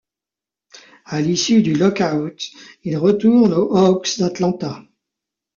À l'issue du lock-out, il retourne aux Hawks d'Atlanta.